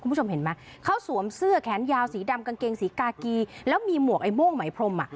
คุณผู้ชมเห็นไหมเขาสวมเสื้อแขนยาวสีดำกางเกงสีกากีแล้วมีหมวกไอ้ม่วงไหมพรมอ่ะ